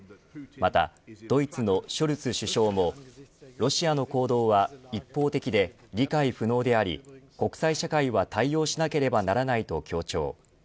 また、ドイツのショルツ首相もロシアの行動は一方的で理解不能であり国際社会は対応しなければならないと強調。